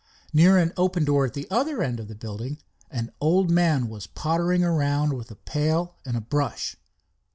Near an open door at the other end of the building an old man was pottering around with a pail and a brush.